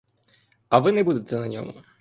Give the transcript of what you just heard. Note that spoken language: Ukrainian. А ви не будете на ньому.